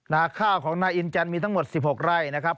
นาข้าวของนาอินจันทร์มีทั้งหมด๑๖ไร่นะครับ